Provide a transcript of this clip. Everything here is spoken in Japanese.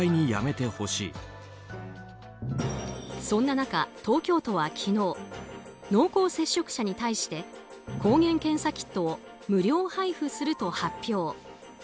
そんな中、東京都は昨日濃厚接触者に対して抗原検査キットを無料配布すると発表。